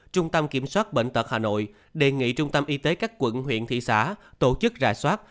trung tâm kiểm soát bệnh tật hà nội đề nghị trung tâm y tế các quận huyện thị xã tổ chức rà soát